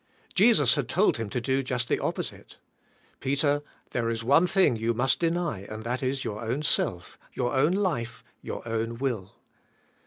Jesus had told him to do just the opposite. "Peter, there is one thing you must deny and that is your own self, your own life, your own will."